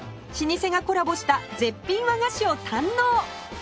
老舗がコラボした絶品和菓子を堪能